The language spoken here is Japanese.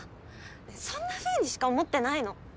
そんなふうにしか思ってないの！